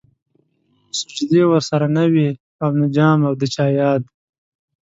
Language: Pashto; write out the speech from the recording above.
سجدې ورسره نه وې او نه جام او د چا ياد